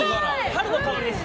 春の香りです。